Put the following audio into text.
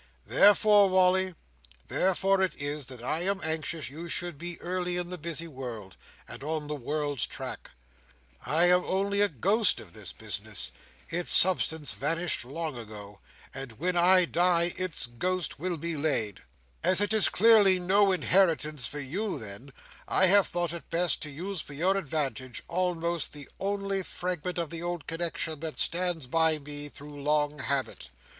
"Therefore, Wally—therefore it is that I am anxious you should be early in the busy world, and on the world's track. I am only the ghost of this business—its substance vanished long ago; and when I die, its ghost will be laid. As it is clearly no inheritance for you then, I have thought it best to use for your advantage, almost the only fragment of the old connexion that stands by me, through long habit.